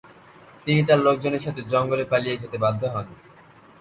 তিনি তার লোকজনের সাথে জঙ্গলে পালিয়ে যেতে বাধ্য হন।